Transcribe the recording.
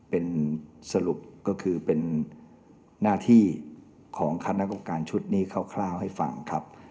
เป็นสรุปก็คือเป็นหน้าที่ของคณะกรรมการชุดนี้คร่าวให้ฟังครับ